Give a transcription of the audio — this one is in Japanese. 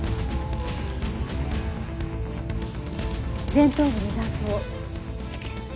前頭部に挫創。